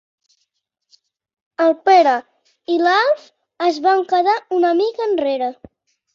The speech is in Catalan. El Pere i l'Alf es van quedar una mica enrere.